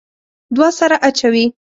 دوه سره اچوي.